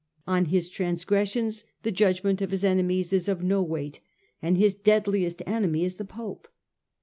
On his transgressions the judgment of his enemies is of no weight, and his deadliest enemy is the Pope.